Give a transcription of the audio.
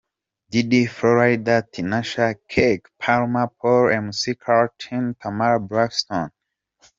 Diddy, Flo Rida, Tinasha, KeKe Palmer, Paul McCartney, Tamar Braxton.